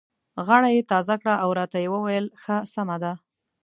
غاړه یې تازه کړه او راته یې وویل: ښه سمه ده.